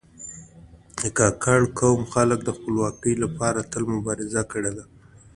د کاکړ قوم خلک د خپلواکي لپاره تل مبارزه کړې ده.